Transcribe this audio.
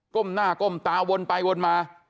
้มหน้าก้มตาวนไปวนมา